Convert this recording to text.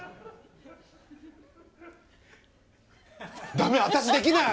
駄目私できない！